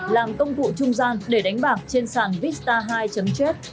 làm công cụ trung gian để đánh bạc trên sàn vistar hai jet